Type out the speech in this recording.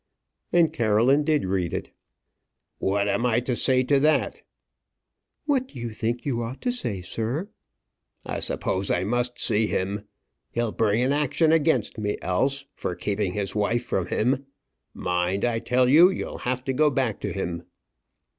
And Caroline did read it. "What am I to say to that?" "What do you think you ought to say, sir?" "I suppose I must see him. He'll bring an action against me else, for keeping his wife from him. Mind, I tell you, you'll have to go back to him."